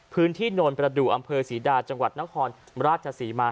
พื้นที่โนนประดูกอำเภอศรีดาจังหวัดนครราชสีมา